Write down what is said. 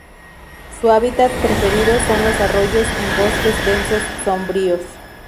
Su hábitat preferido son los arroyos en bosques densos sombríos.